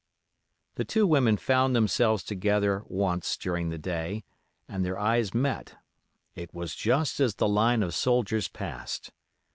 The two women found themselves together once during the day, and their eyes met. It was just as the line of soldiers passed.